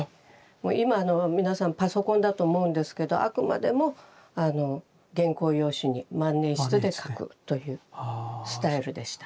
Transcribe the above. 今皆さんパソコンだと思うんですけどあくまでも原稿用紙に万年筆で書くというスタイルでした。